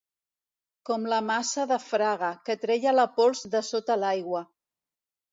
Com la maça de Fraga, que treia la pols de sota l'aigua.